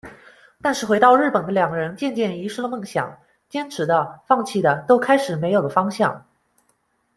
但是回到日本的两人渐渐遗失了梦想，坚持的、放弃的都开始没有了方向。